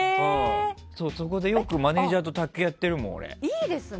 そこでよくマネージャーと卓球やってるもん。